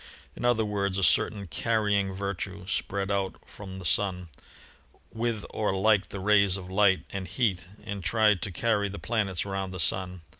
In other words, a certain 'carrying virtue' spread out from the Sun, with or like the rays of light and heat, and tried to 80 ASTRONOMY carry the planets round with the Sun."